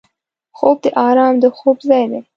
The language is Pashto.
خوب د آرام د خوب ځای دی